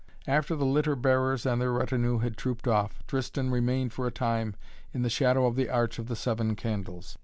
After the litter bearers and their retinue had trooped off, Tristan remained for a time in the shadow of the Arch of the Seven Candles.